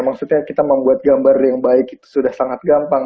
maksudnya kita membuat gambar yang baik itu sudah sangat gampang